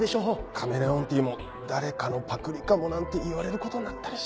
カメレオンティーも誰かのパクリかもなんて言われることになったりして。